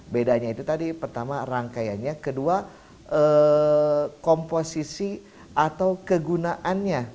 bedanya itu tadi pertama rangkaiannya kedua komposisi atau kegunaannya